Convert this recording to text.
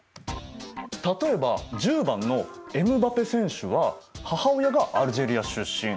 例えば１０番のエムバペ選手は母親がアルジェリア出身。